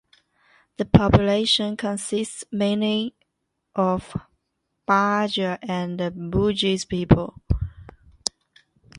The population consists mainly of Bajau and Bugis people.